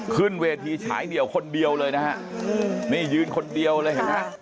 ขึ้นเวทีฉายเดี่ยวคนเดียวเลยนะฮะนี่ยืนคนเดียวเลยเห็นไหม